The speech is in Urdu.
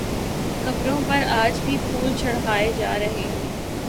قبروں پر آج بھی پھول چڑھائے جا رہے ہیں